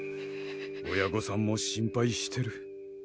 親ごさんも心配してる。